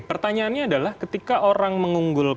pertanyaannya adalah ketika orang mengunggul